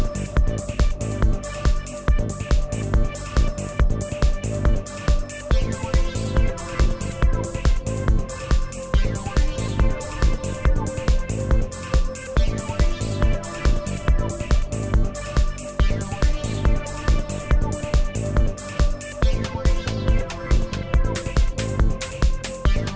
โปรดติดตามตอนต่อไป